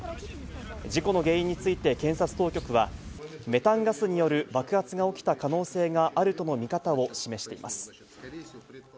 事故の原因について検察当局は、メタンガスによる爆発が起きた可能性があるとの見方を示しています。